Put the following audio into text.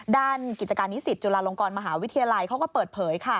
ด้านกิจการนิสิทธิ์จุฬาธิ์โรงกรมหาวิทยาลัยเขาก็เปิดเผย